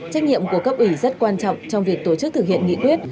trách nhiệm của cấp ủy rất quan trọng trong việc tổ chức thực hiện nghị quyết